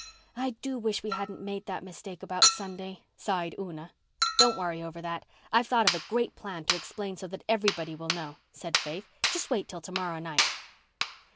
"I do wish we hadn't made that mistake about Sunday," sighed Una. "Don't worry over that. I've thought of a great plan to explain so that everybody will know," said Faith. "Just wait till to morrow night."